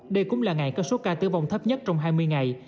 đây cũng là ngày có số ca tử vong thấp nhất trong hai mươi ngày